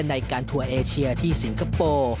ในการทัวร์เอเชียที่สิงคโปร์